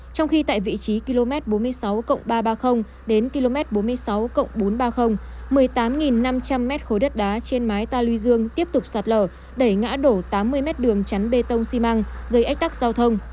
trong khi tại vị trí km bốn mươi sáu ba trăm ba mươi đến km bốn mươi sáu bốn trăm ba mươi một mươi tám năm trăm linh m khối đất đá trên mái ta lưu dương tiếp tục sạt lở đẩy ngã đổ tám mươi mét đường chắn bê tông xi măng gây ách tắc giao thông